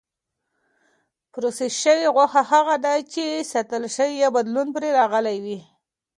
پروسس شوې غوښه هغه ده چې ساتل شوې یا بدلون پرې راغلی وي.